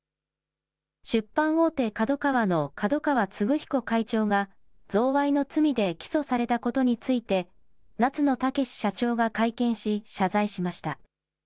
出版大手、ＫＡＤＯＫＡＷＡの角川歴彦会長が、贈賄の罪で起訴されたことについて、夏野剛社長が会見し、謝罪しました。